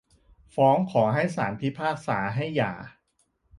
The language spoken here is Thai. ฟ้องขอให้ศาลพิพากษาให้หย่า